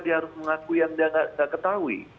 dia harus mengaku yang dia tidak ketahui